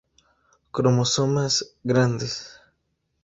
Cromosomas "grandes".